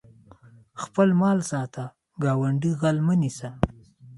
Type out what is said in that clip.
خپل مال ساته ګاونډي غل مه نیسه